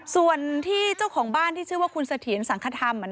ส่วนที่เจ้าของบ้านที่ชื่อว่าคุณเสถียรสังคธรรม